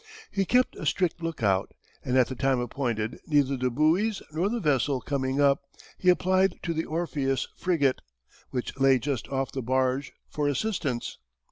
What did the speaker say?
He kept a strict lookout, and at the time appointed, neither the buoys nor the vessel coming up, he applied to the Orpheus frigate, which lay just off the barge, for assistance.